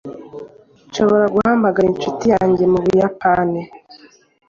nshobora guhamagara inshuti yanjye mu buyapani